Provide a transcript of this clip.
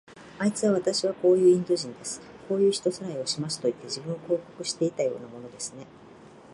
あいつは、わたしはこういうインド人です。こういう人さらいをしますといって、自分を広告していたようなものですね。